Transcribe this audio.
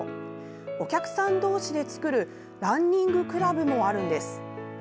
お客さん同士で作るランニングクラブもあるんです。